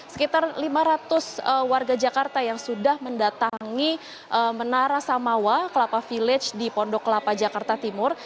sekitar lima ratus warga jakarta yang sudah mendatangi menara samawa kelapa village di pondok kelapa jakarta timur